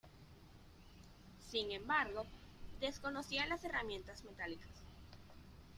Sin embargo, desconocían las herramientas metálicas.